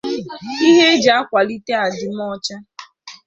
ihe e ji akwàlite adịmocha